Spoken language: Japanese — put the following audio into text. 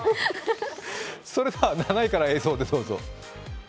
それでは７位から映像でどうぞ。